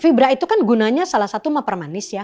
fibra itu kan gunanya salah satu mapermanis ya